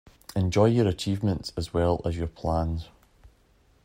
Enjoy your achievements as well as your plans.